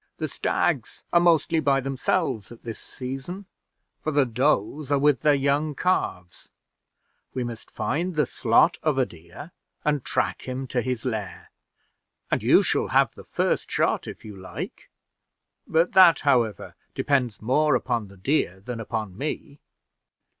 The stags are mostly by themselves at this season, for the does are with their young calves. We must find the slot of a deer, and track him to his lair, and you shall have the first shot if you like; but, that, however, depends more upon the deer than upon me."